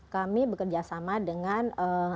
kami bekerjasama dengan